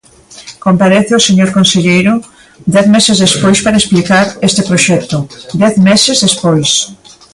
Comparece o señor conselleiro dez meses despois para explicar este proxecto, dez meses despois.